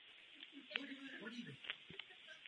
Vstřelil dva góly v zápase základní skupiny proti Etiopii.